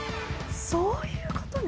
そういうことね。